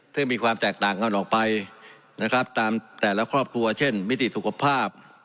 ซึ่งมีความแตกต่างกันออกไปนะครับตามแต่ละครอบครัวเช่นมิติสุขภาพ